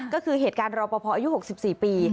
ก็คือเหตุการณ์รอปภอายุ๖๔ปี